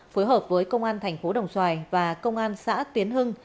phối hợp với công an tp đồng xoài và công an xã tiến hưng